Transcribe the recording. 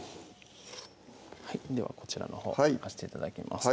はいではこちらのほう置かして頂きます